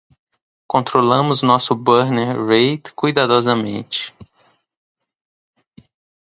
Controlamos nosso burn rate cuidadosamente.